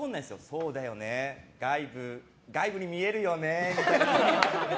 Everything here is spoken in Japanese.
そうだよね、外部に見えるよねみたいな。